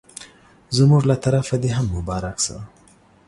زموږ له طرفه دي هم مبارک سه